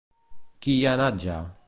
Qui hi ha anat ja?